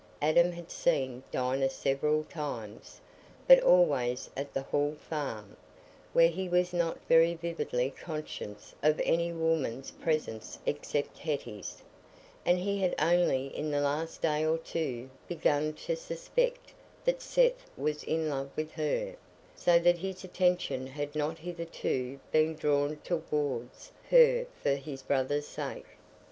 Adam had seen Dinah several times, but always at the Hall Farm, where he was not very vividly conscious of any woman's presence except Hetty's, and he had only in the last day or two begun to suspect that Seth was in love with her, so that his attention had not hitherto been drawn towards her for his brother's sake.